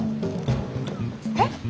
えっ？